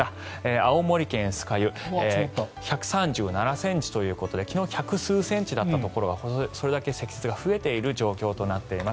青森県酸ケ湯１３７ｃｍということで昨日１００数センチだったところがそれだけ積雪が増えています。